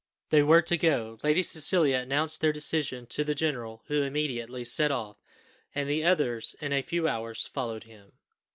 They were to go. Lady Cecilia announced their decision to the general, who immediately set off, and the others in a few hours followed him.